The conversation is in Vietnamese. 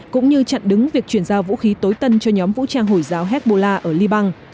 cũng như chặn đứng việc chuyển giao vũ khí tối tân cho nhóm vũ trang hồi giáo hezbollah ở liban